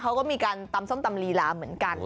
เขาก็มีการตำส้มตำลีลาเหมือนกัน